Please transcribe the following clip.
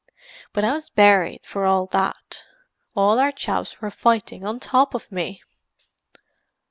But I was buried for all that. All our chaps were fighting on top of me!"